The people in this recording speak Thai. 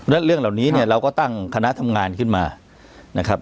และเรื่องเหล่านี้เนี่ยเราก็ตั้งคณะทำงานขึ้นมานะครับ